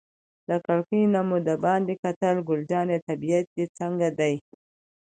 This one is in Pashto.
له کړکۍ نه مو دباندې کتل، ګل جانې طبیعت دې څنګه دی؟